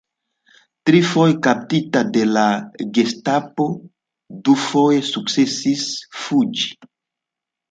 Trifoje kaptita de la gestapo, dufoje sukcesis fuĝi.